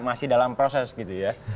masih dalam proses gitu ya